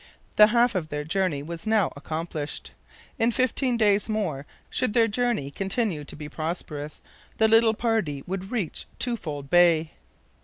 The half of their journey was now accomplished. In fifteen days more, should their journey continue to be prosperous, the little party would reach Twofold Bay.